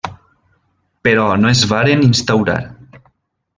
Però no es varen instaurar.